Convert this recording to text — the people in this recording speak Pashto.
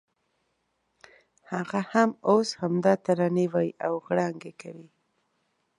هغه هم اوس همدا ترانې وایي او غړانګې کوي.